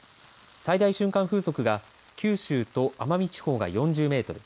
最大瞬間風速が九州と奄美地方が４０メートル